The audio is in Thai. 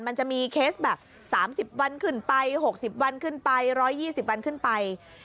มันจะมีเคสแบบ๓๐วันขึ้นไป๖๐วันขึ้นไป๑๒๐วันขึ้นไป